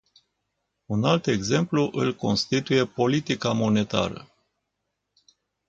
Un alt exemplu îl constituie politica monetară.